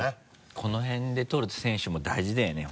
この辺で取る選手も大事だよね